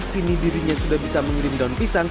kini dirinya sudah bisa mengirim daun pisang